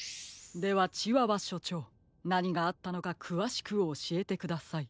ではチワワしょちょうなにがあったのかくわしくおしえてください。